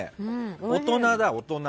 大人だ、大人。